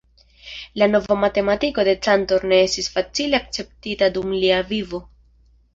La nova matematiko de Cantor ne estis facile akceptita dum lia vivo.